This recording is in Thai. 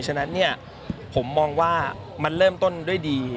ฉะนั้นผมมองว่ามันเริ่มต้นด้วยดี